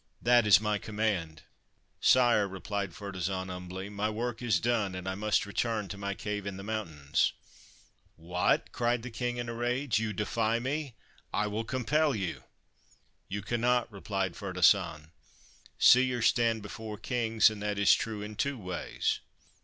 That is my command.' ' Sire,' replied Ferdasan humbly, ' my work is done, and I must return to my cave in the mountains.' ' What I ' cried the King in a rage, ' you defy me ? I will compel you.' ' You cannot,' replied Ferdasan. ' Seers stand before kings and that is true in two ways.